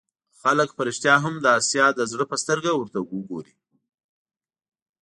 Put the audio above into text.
خلک په رښتیا هم د آسیا د زړه په سترګه ورته وګوري.